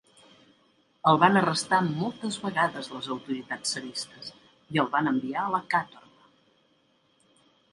El van arrestar moltes vegades les autoritats tsaristes i el van enviar a la kàtorga.